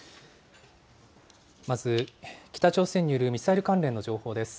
まず、北朝鮮によるミサイル関連の情報です。